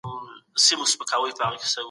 خصوصي پانګوال د بازار موندنې په لټه کي دي.